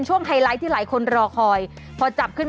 ยกไหว่าถู้เหล่ม